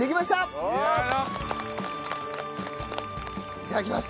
いただきます。